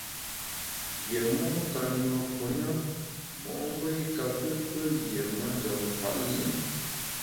Yié mon ka nùe fu na mo’mbe i kape tue lié manjem nkwet lùm.